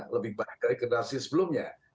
lebih baik dari generasi sebelumnya